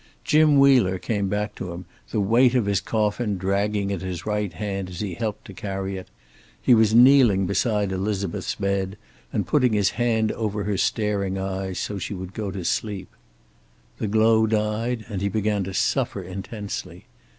Jim Wheeler came back to him, the weight of his coffin dragging at his right hand as he helped to carry it; he was kneeling beside Elizabeth's bed, and putting his hand over her staring eyes so she would go to sleep. The glow died away, and he began to suffer intensely.